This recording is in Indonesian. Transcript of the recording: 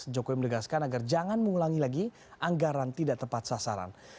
jokowi menegaskan agar jangan mengulangi lagi anggaran tidak tepat sasaran